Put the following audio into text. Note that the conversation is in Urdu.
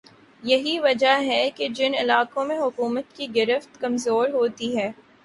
یہی وجہ ہے کہ جن علاقوں میں حکومت کی گرفت کمزور ہوتی ہے